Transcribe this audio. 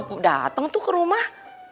lepuk dateng tuh ke rumah